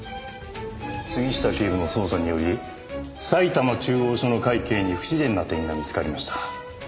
杉下警部の捜査により埼玉中央署の会計に不自然な点が見つかりました。